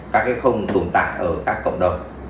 các f tồn tại ở các cộng đồng